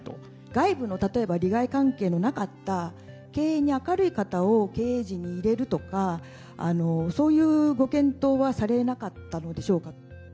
外部の例えば利害関係のなかった経営に明るい方を経営陣に入れるとか、そういうご検討はされなかったのでしょうか。